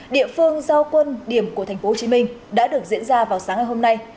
địa phương giao quân điểm của tp hcm đã được diễn ra vào sáng ngày hôm nay